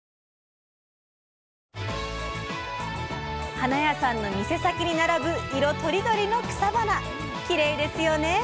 花屋さんの店先に並ぶ色とりどりの草花きれいですよね。